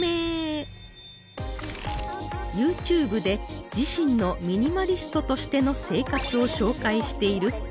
ＹｏｕＴｕｂｅ で自身のミニマリストとしての生活を紹介している